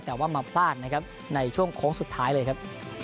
แต่ว่ามาพลาดนะครับในช่วงโค้งสุดท้ายเลยครับ